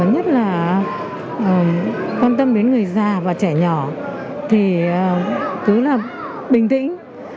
nhất là quan tâm đến người già và trẻ nhỏ thì cứ là bình tĩnh